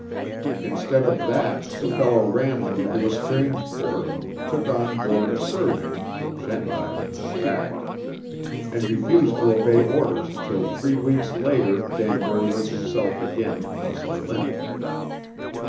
Instead of that, the fellow ran him into a strange port, took on board a surgeon (shanghaied him, in fact) and refused to obey orders until three weeks later Danbury was himself again plus a limp.